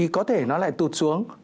có thể nó lại tụt xuống